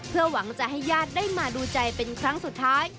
เพื่อหวังจะให้ญาติได้มาดูใจเป็นครั้งสุดท้าย